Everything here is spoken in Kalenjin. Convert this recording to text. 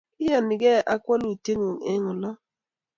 kiyanigei ak walutietngung' eng oleoo